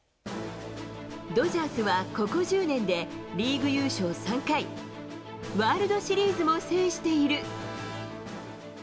ドジャースは、ここ１０年で、リーグ優勝３回、ワールドシリーズも制している。